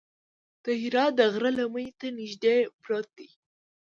د حرا د غره لمنې ته نږدې پروت دی.